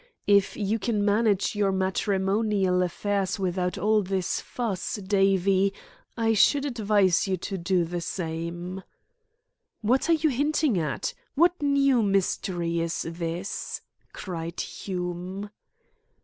If you can manage your matrimonial affairs without all this fuss, Davie, I should advise you to do the same." "What are you hinting at? What new mystery is this?" cried Hume.